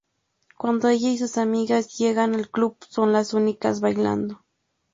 Cuando ella y sus amigas llegan al club son las únicas bailando.